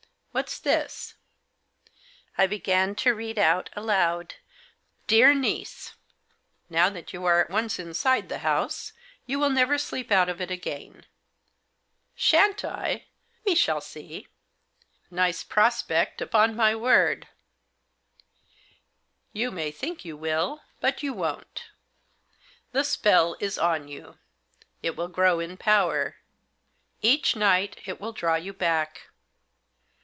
What's this ?" I began to read out aloud. "'Dear NIECE, — Now that you are once inside the house, you will never sleep out of it again.' Shan't I ? We shall see. Nice prospect, upon my word. ' You may think you will, but you won't The spell is on you. It will grow in power. Each night it will draw you back.